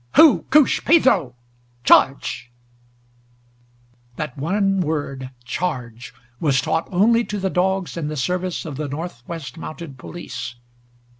"Hoo koosh, Pedro charge!" That one word charge was taught only to the dogs in the service of the Northwest Mounted Police.